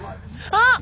あっ！